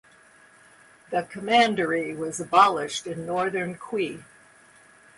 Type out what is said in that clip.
The commandery was abolished in Northern Qi.